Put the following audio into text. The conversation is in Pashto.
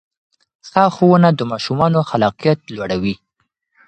ښه ښوونه د ماشومانو خلاقیت لوړوي.